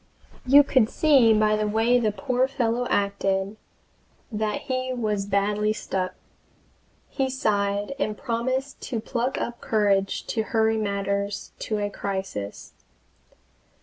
You could see by the way the poor fellow acted that he was badly stuck. He sighed, and promised to pluck up courage to hurry matters to a crisis.